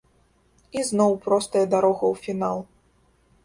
Ізноў простая дарога ў фінал.